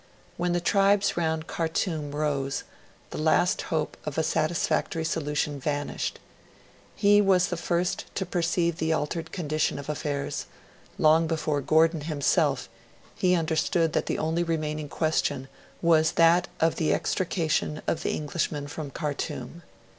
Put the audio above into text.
When the tribes round Khartoum rose, the last hope of a satisfactory solution vanished. He was the first to perceive the altered condition of affairs; long before the Government, long before Gordon himself, he understood that the only remaining question was that of the extrication of the Englishmen from Khartoum.